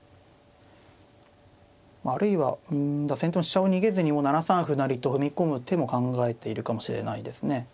あるいは先手も飛車を逃げずにもう７三歩成と踏み込む手も考えているかもしれないですね。